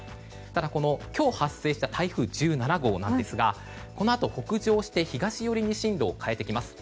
ただ今日発生した台風１７号なんですがこのあと北上して東寄りに進路を変えてきます。